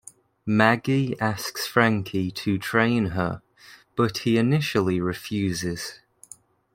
Maggie asks Frankie to train her, but he initially refuses.